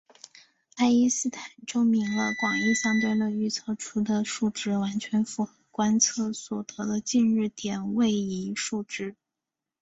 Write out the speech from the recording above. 爱因斯坦证明了广义相对论预测出的数值完全符合观测所得的近日点位移数值。